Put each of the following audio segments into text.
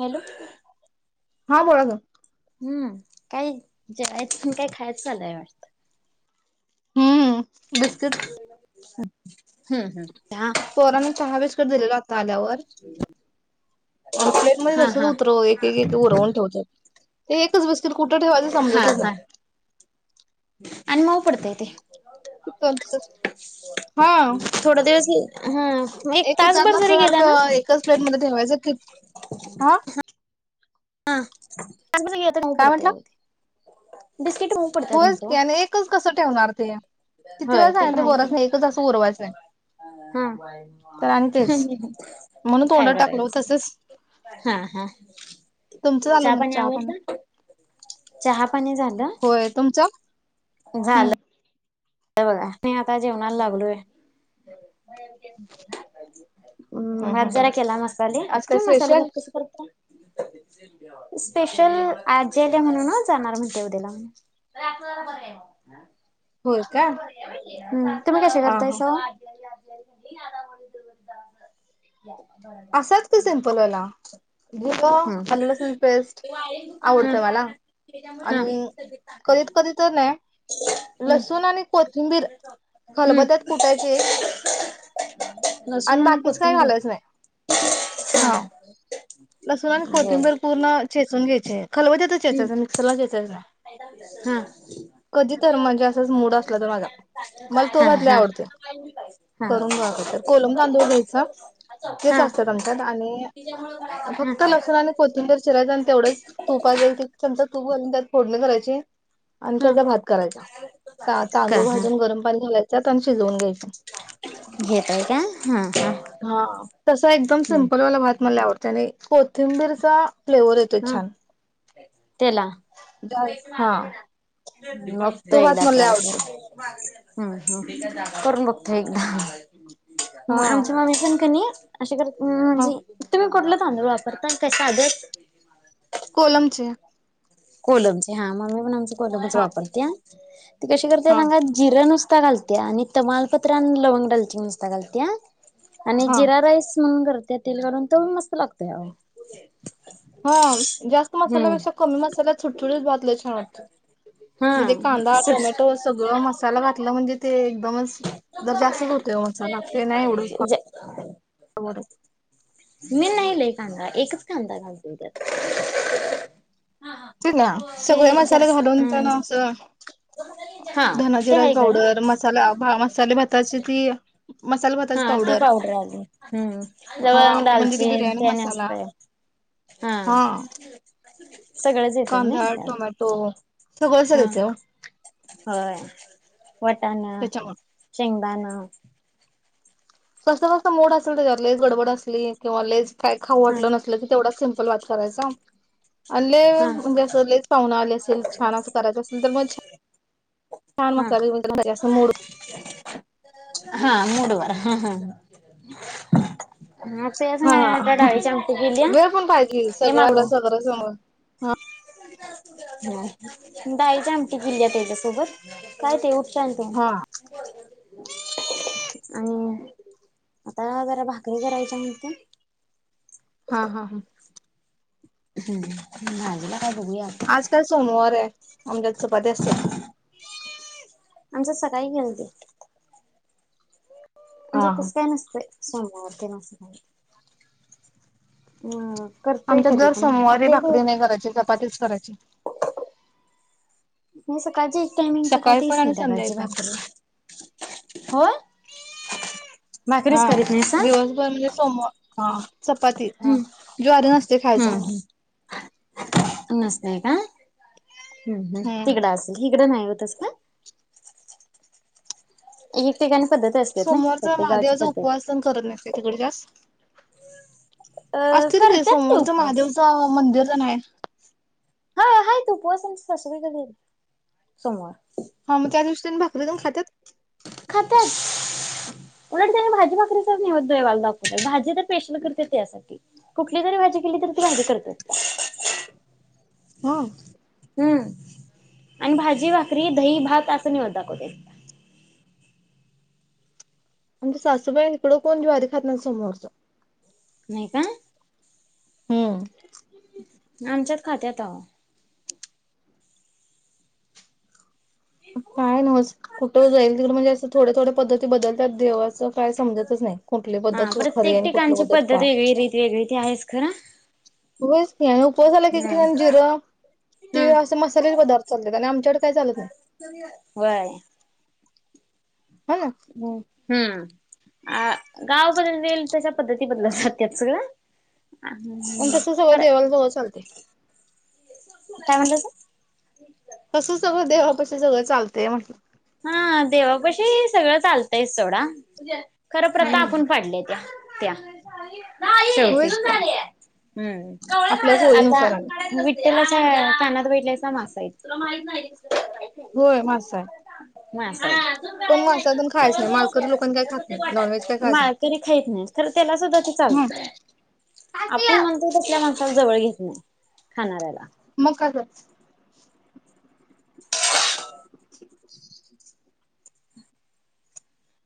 Hello. हा बोला की. हम्म काही जेवायचं न काय खायचं चालू हाय वाटत. हम्म बिस्किट. हम्म हम्म. हा पोरांनो चहा बिस्की दिलेलो आ आता आल्यावर अन प्लेट मध्ये हा तसच हा उतरव, एक एक उरवून ठेवत्यात. ते एकच बिस स्कीट कुठं ठेवायचं हा समजतच हा नाही. आणि मऊ पडतय ते. हा थोड दिवस हा एक एकच जात तासभर जरी नसल्या गेला ना सारखं, एकच प्लेट मध्ये ठेवायचं आ? आ. तास भर गेल तर मऊ काय पडतंय म्हटलं आओ ते. बिस्किट मऊ पडतात होयच म्हणतो की आणि एकच कसं ठेवणार ते. किती होय वेळ ते सांगितले पण आहे पोरासनी नाही खर. एकच असं उरवायचं नाही हा तर आणि तेच म्हणून काय तोंडात टाकलो करायच, तसच हा हा. तुमचं झालं क नई पाणी चहा पानी? आवरलं चहा पाणी झालं होय तुमचं. झालं. हम्म हे बघा मी आता जेवणाला लागलोय. हम् हम्म भात हम्म हम्म जरा केला मसाले, आज काय तुम्ही मसाले स्पेशल भात कस करता? स्पेशल आजी आली म्हणून जाणार म्हणते उद्याला. होय का हम्म तुम्ही कसे हा हा करतायसा ओ? [unintelligible] असच कि सिंपल वाला. जिरं आलं लसूण पेस्ट हम्म. आवडतं मला हम्म आणि कधीत कधी तर नाही हा लसूण आणि कोथिंबीर हम्म खलबत्यात कुटायचे हम्म. लसूण आणि बाकीच काय कोथिंबीर घालायच नाही, हा. लसूण आणि बर कोथिंबीर पूर्ण चेचून घ्यायचे खलबत लसूण आणि कोथंबीर पूर्ण चेचायच हम्म ग्यायच मिक्सरला चेचायचं नाही हा कधी तर म्हणजे असंच मूड असला तर माझा मला तो हा हा हा हा भात आवडतोय हा करून बघ का तर कोलम तांदूळ घ्यायच तेच असतं आमच्यात आणि लसूण आणि कोथंबर चिरायचं आणि तेवढंच तुपचा एक चमचा त्यात फोडणं करायची आणि हा त्याचा भात करायचा का तांदूळ हा भाजून गरम पाणी घालायचा आणि शिजवून घ्यायचे घेताय का हा हा हा तसा एकदम हा सिम्पल वाला भात मला आवडत त्याने कोथिंबीरचा फ्लेवर येतो हा छान त्याला हा मक्तो तो भात एकदा मला लय प्रयश आवडतो हम्म करून बघतो एकदा म हा आमची मम्मी पण कणी अशी करती हम हा म्हनजे तुम्ही कुठलं तांदूळ वापरता का साध कोलमचे कोलमचे हा मम्मी पण आमची कोलमच हा वापरत्या ते कशी करतेय हा सांगा जिरा नुसता कडीपता घालत्या आणि तमालपत्र आणि लवंग दालचीन नुसता घालत्या आणि हा जिरा राईस म्हण करत त्या तेल करून त मस्त लागतोय हा जास्त मसाला हम्म पेक्षा कमी मसाला सु [unintelligible] लं छान वाटत हा म्हणजे कांदा टोमॅटो सगळ मसाला घातलं म्हणजे ते एकदमच तरर जास्तच होतोय मसाला ते नाही एवढं मनईले काांणार आहे एकच कांदा घालायचा त्यात त सगळे ते मसाले जास्त घालून त्याला हा अस हा धना ते जिराची आहे खरं पावडर मसाला मसाला भाताची ती मसाला भाताची हा ती पावडर आली हम्म हा लवंग म्हणजे ती दालचीन बिर्याणी ते आणि मसाला असतय हा सगळंच येतय नय त्यात सगळ झाल हा ते होय वटाणा शेंगदाणा [inaudible] कस्त कस्त मोड असेल त्याच्यात लेच गडबड असली किंवा लेज काय खाऊ हा वाटलं नसलं तर तेवढच सिपल ल वाात करयस [unintelligible] अले हा म्हणजे असं लेच पाहुून आले असेल छान असं करायचं असेल तर मग छ छान हा मसाला म्हणजे खर असं मूड ह ह हा केलीया वेळ पण पाहिजे ये मागू सगळ्याला सगळं जमण हा ह डाळीची आमटी गिल्ल्या त्याच्यासोबत काय ते चालत हा मग आणि आता जरा भाकरी करायच्या म्हते हा हा हा हम्म ह हजला आज काल सोमवार आहे आमच्यात चपात्या असतात आमच सकाळी गेलते हा म्हणजे हा तस काय नसत य सगते ना अस ह आमच्या दर सोमवारी भाकरी नाही करायची चपातीच करायची मी सकाळची टायमिंग सकाळी चपाती पण आणि संध्याकाळी संध्याकाळचे पण. भाकर हो आ नाहीसा हा हम्म दिवसभर म्हणजे सोमवार हा चपाती ह ज्वारी नसते खायच म्ह नमस्ते का हम्म हम् हम्म तीघडा असल ह तड नाही होतस का ह सोमवारच महादेवाच उपवास पद्धत करत नसते तिकडे जास्त अ असतील र ते करत्यात की सोमवारचं उपवास महादेवचं मंदिर नाहे हा हायत उपवास आमचे सासुबाई पण करते सोमवार. हा मग त्या दृष्टीने भाकर दोन खात्यात खात्यात उलट त्यांनी भाजी भाकरीचा निवद देवाला दाखवला कुठली पण भाजी तर पेशल करते त्यासाठी कुठली जरी भाजी केली तरी ती भाजी करत्या. हा. आणि भाजी भाकरी दही भात असं निवद दाखवते. आमच्या सासूबाईं इकडं कोण ज्वारी खात नाही सोमवारचं. नाही का हम्म. आमच्यात खात्यात अव. काय न कुठं जाईल तिकड म्हणजे असं थोड्या थोड्या पद्धती बदलतात देवाचं. काय समजतच नाही कुठली हा पद्धत खरी प्रत्येक आहे आणि कुठली ठिकाणची पद्धत वेगळी रित वेगळी त आहेच खरां होय उपवासाला झाला की जिरं ते असं मसाल्याचे पदार्थ चालले आणि आमच्याकड काही चालत नाही. हा ना हो हम्म. अ गाव बदलतील तशा पद्धती बदल जात सगळं पण तस हम्म. सगळं पर देवाला जवळ चालते. काय म्हणलासा? तसं सगळं देवापाशी सगळं चालतेय म्हटल. हा देवापशी सगळं चालतंयस सोडा. खरं प्रता हम्म आपण पाडल्या आहे त्या. त्या ठेवते होयच की हम्म आपल्या आता सोयीनुसार आणि त्याला कानात बैठल्यायचा मासा येते. होय मासाय म [unintelligible] पण मासातून खायच नाही मालकरी लोकां काय खात नाही नॉनव्हेज काय खायच नाही माळकरी खाईत नाही खरं त्याला सुद्धा ते हम्म. चालतं आपण म्हणतोय तसल्या जवळ घेत नाही खाणाऱ्याला म का ग [inaudible]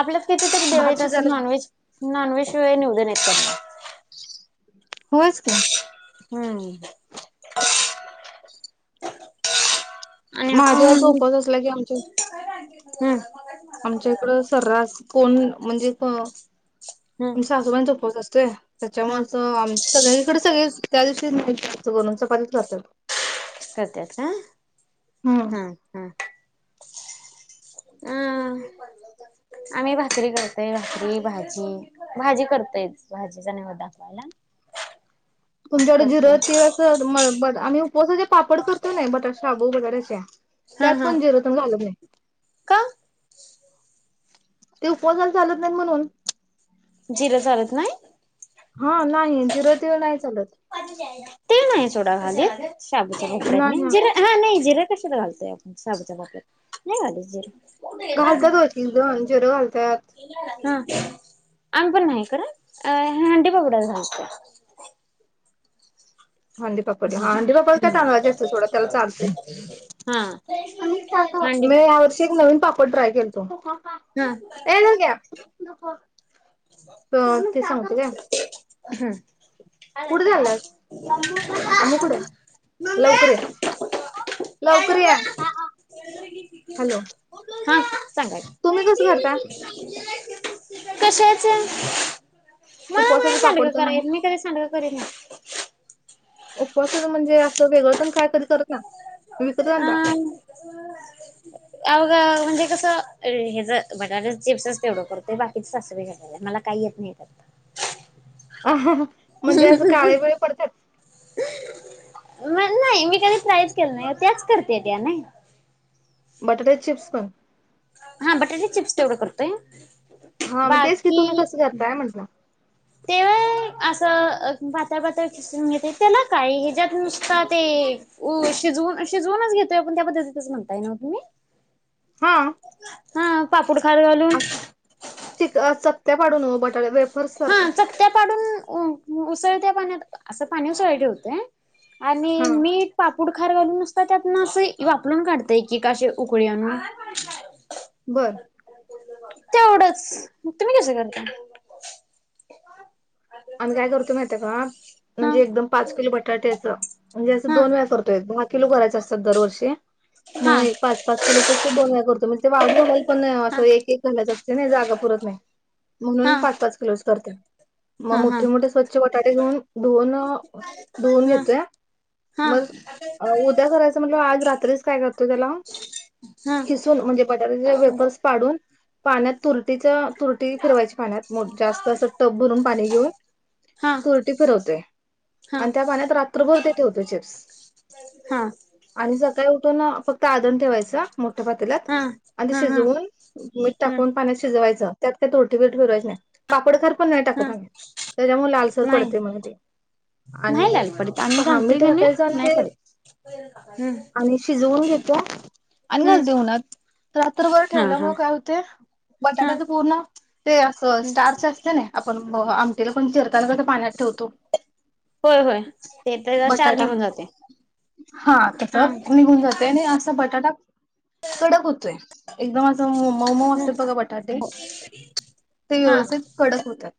आपल्या किती तरी भात दिवाईत अस शिजायला नॉनव्हेज नाानविश शिवाय [unintelligible] उ दे न य होयच की. हम्म. आणि माझ्या आपण सोपास असला की आमच्या हम्म. आमच्या इकडं सर्रास कोण म्हणजे आ हम्म सासूबाई चोपत असते हा त्याच्यामुळेच आम सगळ्या इकडे सगळे त्या दिवशी नाहीन चपाती खातात करत्यात का? हा हा. अं आम्ही भाकरी करतोय भाकरी भाजी भाजी करतोय भाजीचा निवद दाखवायला. असं तुमच्याकडे जिर करतो तिळ अस आम्ही उपसा पापड करतो ना बटाट शाबू बटाटाच्या हा त्यात हा पण जिर तेन घालत नाही. का ते उपवासाायला चालत नाहीत म्हणून. जिर चालत नाही. हा नाही जिरो तील नाही चालत. तिळ नाही सोडा घालीत. शाबूच्या पापडातनी जिर हा नाही जिर कशा घालतो. [unintelligible] घालतात हो एकजण जीरे घालत्यात. हा आम्ही पण नाही खर? हंडी पापड्यात घालततोय. हंडीपापड हा हंडीपापड काय जिरं तांदळाचे असत य सोडा त्याला चालतय हा हंडी मी यावर्षी एक नवीन पापड ट्राय केलाय. हो. हा ये हंग्या. अ ते सांगते काय? हा. कुठे चालास? आमु कड लवकर ये लवकर ये हॅलो. हा. सांगा तुम्ही कसं करता? की. कशाच. मला नाही उपवासाचे पापड सांडगं कराय तेन? येत मी कधी सांडग [unintelligible] ना. उपवासाच म्हणजे असं वेगळं तेन काय कधी करत नाय. विकतच आणता? अ. अबघा म्हणजे कसं हेज बटाट्याच चिप्सच तेवढं करतोय बाकीच सासुबाई करत्यात मला काही येत नाही करता. [unintelligible] म्हणजे असं काळे बीळे पडत्यात. म नाही. मी कधी ट्रायच केलो नाही त्याच करत्याता ना. बटाट्याचे चिप्स पण. हा बटाटे चिप्स तेवढं करतोय. हा मग तेच की तुम्ही कसं करताय म्हंटलं? ते व्हा असं पातळ पातळ किसवुन घेत्य त्याला काही ह्या ज्यात नुसता ते शिजवून शिजवूनच घेतोय आपण त्या पद्धतीतच म्हणताय ना तुम्ही? हा पुडखार घालून. चक्त्या पाडुन हो बटाट्याच. वे हा चक्त्या पाडून उसळत्या. पाण्यात असं पाणी उसळायला ठेवतय. आणि हा मीठ पापूड खार घालून नुसता त्यातनं असं वाफळून काढताय की काे उकळी आणून. बर तेवढंच मग तुम्ही कसे करता? ए काय आम्ही काय करतोय माहितीयं का हा म्हणजे एकदम पाच किलो बटाट्याच म्हणजे असं हा दोन वेळा करतोय [unintelligible] किलू करायचं असतात दरवर्षी हा मग पाच पाच किलोच अस दोन वेळा करतो म्हणजे ते वाळतं घालायला पण असं हा एक एक घालायचं असतं नाही जागा पुरत नाही म्हणून हा पाच पाच किलोच करते मग हा हा मोठे मोठे स्वच्छ बटाटे घेऊन धुवन धुवून हा घेतोय हा हा मग उद्या करायचं म्हंटल्यावर आज रात्रीच काय करतोय त्याला हा किसून म्हणजे बटाट्याचे वेपर्स पाडून पाण्यात तुरटीचं तुरटी फिरवायची पाण्यात जास्त असं टप भरून घिवून हा तुरटी फिरवतोय हा आणि त्या पाण्यात रात्रभर ठेवतोय ते चिप्स हा आणि सका उठून ना फक्त आदन ठेवायचं मोठ्या पातेल्यात हा आणि हा शिजवून मीठ हम्म टाकून पाण्यात शिजवायचं त्यात काय तुरटी बिरटी फिरवायचं नाय पापड खार पण हा त्याच्यामुळे लालसर नाही पडतयं म्हण ते नाही आणि लाल पडत आम्ही हां घालतोय मीठ ते का नाही टकायचं आणि नाही ते पडत हम्म आणि शिजवून घेतो आणि हम्म घालतोय उन्हात देऊन रात्रभर हा ठेवल्या हा मुळं काय होतय हा बटाट्याचं हम्म पूर्ण ते असं स्टार्च असतय नई आपण मग आमटीला पण चिरताना कसं पाण्यात ठेवतो होय होय ते त्याचा क्षार बटाटा निघून जाते हा तस हा निघून जातयं आणि असा बटाटा कडक हुतूय एकदमचं असं मऊ मऊ असे बघा बटाटे ते हा व्यवस्थित कडक होतात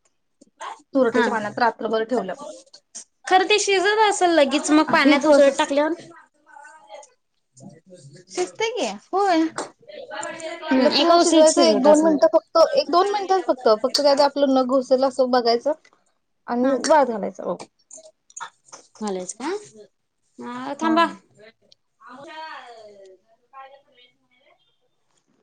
हा तुरटीच्या पाण्यात रात्रभर ठेवल्यामुळे खरं ते शिजत असल लगीच मग ही पाण्यात उसळत प्रोसेस टाकल्यावर शिजतयं की होय हम्म लक्ष एका देऊन उसळीत शिजवायचं एक शिजत दोन असणार मिनिटं फक्त एक दोन मिनिटच फक्त फक्त काय ते आपलं नखं घुसेल अस तो बघायचं हा आणि वाळत घालायच ओ मलेज का [unintelligible] हा हो थांबा [unintelligible]